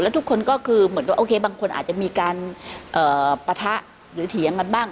ทุกคนก็คือเหมือนกับโอเคบางคนอาจจะมีการปะทะหรือเถียงกันบ้าง